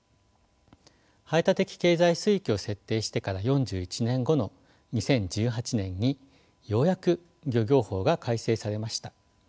排他的経済水域を設定してから４１年後の２０１８年にようやく漁業法が改正されました。